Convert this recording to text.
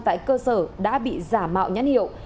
tại cơ sở đã bị giả mạo nhãn hiệu